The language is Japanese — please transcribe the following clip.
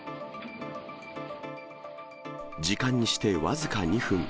時間にして僅か２分。